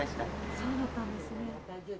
そうだったんですね。